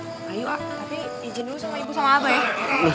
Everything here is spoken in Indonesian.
ayo tapi izin dulu sama ibu sama abah ya